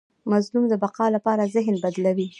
مظلوم د بقا لپاره ذهن بدلوي.